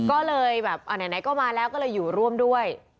ก็เลยแบบไหนก็มาแล้วก็เลยอยู่ร่วมด้วย